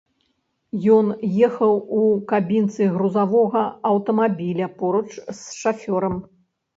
Ён ехаў у кабінцы грузавога аўтамабіля поруч з шафёрам.